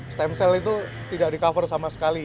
stem cell itu tidak di cover sama sekali